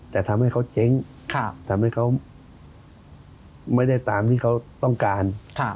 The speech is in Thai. แต่ทำให้เขาเจ๊งทำให้เขาไม่ได้ตามที่เขาต้องการ